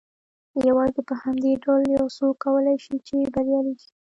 يوازې په همدې ډول يو څوک کولای شي چې بريالی شي.